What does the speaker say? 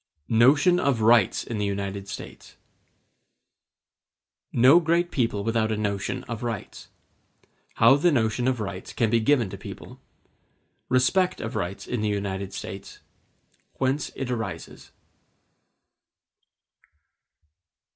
Notion Of Rights In The United States No great people without a notion of rights—How the notion of rights can be given to people—Respect of rights in the United States—Whence it arises.